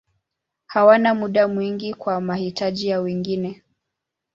Hawana muda mwingi kwa mahitaji ya wengine.